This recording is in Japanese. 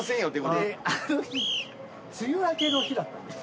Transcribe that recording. あの日梅雨明けの日だった。